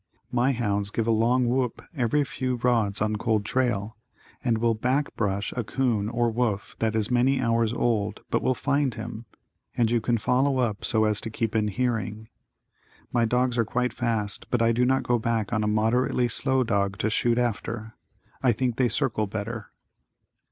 My hounds give a long whoop every few rods on cold trail, and will "back brush" a 'coon or wolf that is many hours old but will find him, and you can follow up so as to keep in hearing. My dogs are quite fast but I do not go back on a moderately slow dog to shoot after. I think they circle better.